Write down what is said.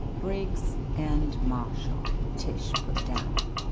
'* "Briggs and Marshall," Tish put down.